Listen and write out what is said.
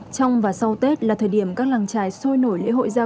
trong và sau tết là thời điểm các làng trài sôi nổi lễ hội gia quân